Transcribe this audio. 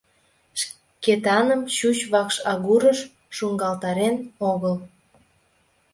Шкетаным чуч вакш агурыш шуҥгалтарен огыл.